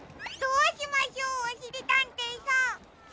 どうしましょうおしりたんていさん。